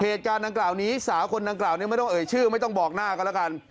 เหตุการณ์หนังกราวนี้สาวคนนังกราวนี้ชื่อไม่ต้องบอกหน้ากันแล้วกัน